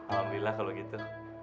alhamdulillah kalau gitu